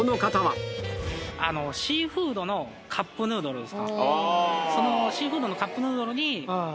そのシーフードのカップヌードルに。